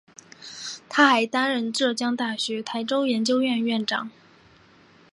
他还担任浙江大学台州研究院院长。